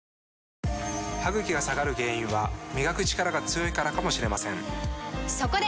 歯ぐきが下がる原因は磨くチカラが強いからかもしれませんそこで！